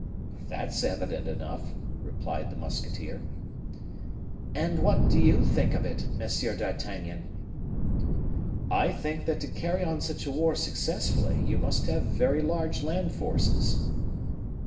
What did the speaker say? "That's evident enough," replied the musketeer. "And what do you think of it, Monsieur d'Artagnan?" "I think that to carry on such a war successfully, you must have very large land forces."